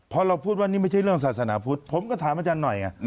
พอเราพูดว่านี่ไม่ใช่เรื่องศาสนาพุทธผมก็ถามอาจารย์หน่อยไง